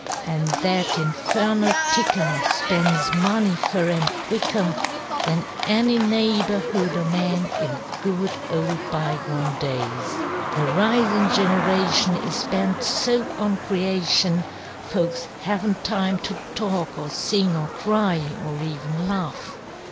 AnŌĆÖ that infernal ticker spends money fur ŌĆÖem quicker Than any neighbourhood oŌĆÖ men in good old bygone days. The risinŌĆÖ generation is bent so on creation, Folks havenŌĆÖt time to talk or sing or cry or even laugh.